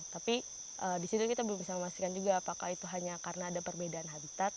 tapi di situ kita belum bisa memastikan juga apakah itu hanya karena ada perbedaan habitat